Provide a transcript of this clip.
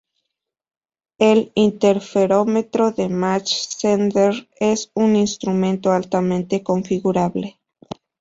El interferómetro de Mach–Zehnder es un instrumento altamente configurable.